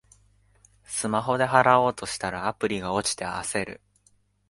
スマホで払おうとしたら、アプリが落ちて焦る